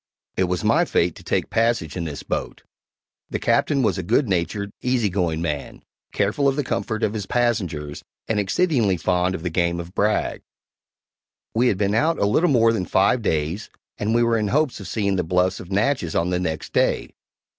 It was my fate to take passage in this boat. The Captain was a good natured, easy going man, careful of the comfort of his passengers, and exceedingly fond of the game of brag. We had been out a little more than five days, and we were in hopes of seeing the bluffs of Natchez on the next day.